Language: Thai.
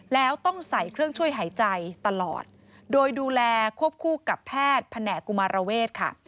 แล้วต้องใส่เครื่องช่วยหายใจตลอดโดยดูแลควบคู่กับแพทย์แผนกกุมารเวศค่ะ